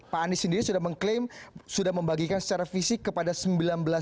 pak andi sendiri sudah mengklaim sudah membagikan secara fisik kepada rp sembilan belas juta masyarakat